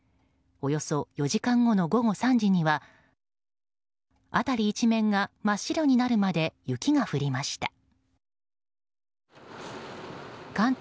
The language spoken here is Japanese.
およそ４時間後の午後３時には辺り一面が真っ白になるまで雪が降りました。